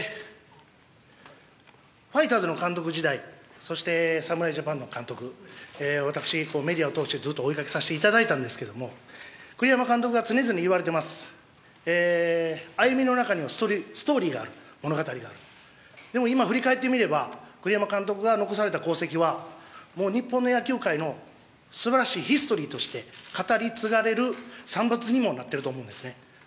ファイターズの監督時代、そして侍ジャパンの監督、私、メディアを通してずっと追いかけさせていただいたんですけれども、栗山監督がつねづね言われてます、歩みの中にはストーリーがある、物語がある、でも今、振り返ってみれば、栗山監督が残された功績は、もう日本の野球界のすばらしいヒストリーとして語り継がれる産物にもなってると思うんですね。